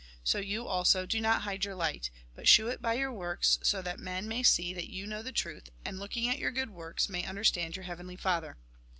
So, you also, do not hide your light, but shew it by your works, so that men may see that you know the truth, and, looking at j'our good works, may understand j'our Heavenly Father.